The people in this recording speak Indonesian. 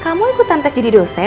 kamu ikutan tes jadi dosen